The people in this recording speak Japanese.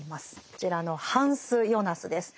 こちらのハンス・ヨナスです。